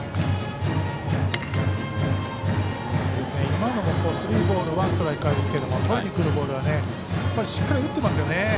今のもスリーボールワンストライクからですけれどもとりにくるボールはしっかり打ってますよね。